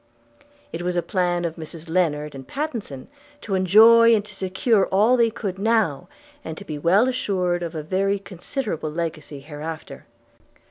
It was a plan of Mrs Lennard and Pattenson to enjoy and to secure all they could now, and to be well assured of a very considerable legacy hereafter.